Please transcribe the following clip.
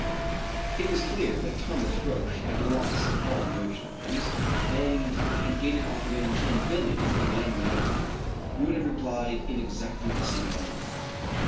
It was clear that Roch had lost all notion of things, and had Gaydon offered him ten billions the madman would have replied in exactly the same manner.